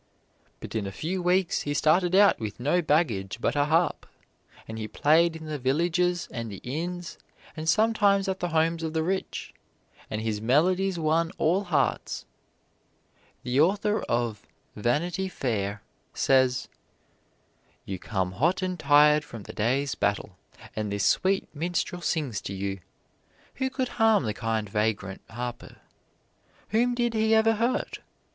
But in a few weeks he started out with no baggage but a harp, and he played in the villages and the inns, and sometimes at the homes of the rich. And his melodies won all hearts. The author of "Vanity Fair" says: "You come hot and tired from the day's battle, and this sweet minstrel sings to you. Who could harm the kind vagrant harper? Whom did he ever hurt?